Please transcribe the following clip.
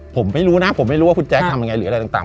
ผมไม่รู้นะผมไม่รู้ว่าคุณแจ๊คทำยังไงหรืออะไรต่าง